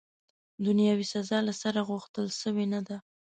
دنیاوي سزا، له سره، غوښتل سوې نه ده.